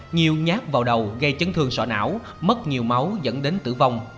nhiều nhát vào đầu gây chấn thương sọ não mất nhiều máu dẫn đến tử vong